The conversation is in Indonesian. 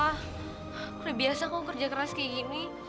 kurang biasa kamu kerja keras kayak gini